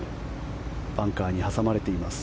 バンカーに挟まれています。